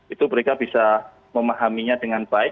itu mereka bisa memahaminya dengan baik